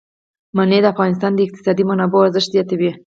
منی د افغانستان د اقتصادي منابعو ارزښت زیاتوي.